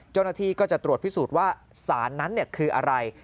เจ้าหน้าที่ก็จะตรวจพิสูจน์ว่าสารนั้นคืออะไร